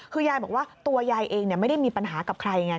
คือยายบอกว่าตัวยายเองไม่ได้มีปัญหากับใครไง